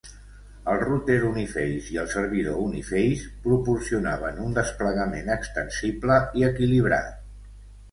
El router Uniface i el servidor Uniface proporcionaven un desplegament extensible i equilibrat.